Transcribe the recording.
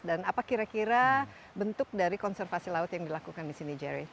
dan apa kira kira bentuk dari konservasi laut yang dilakukan di sini jerry